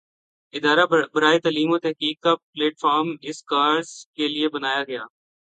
ادارہ برائے تعلیم وتحقیق کا پلیٹ فارم اس کاز کے لئے بنایا گیا۔